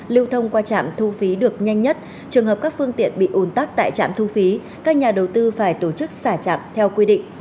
lưu thông qua trạm thu phí được nhanh nhất trường hợp các phương tiện bị ủn tắc tại trạm thu phí các nhà đầu tư phải tổ chức xả chạp theo quy định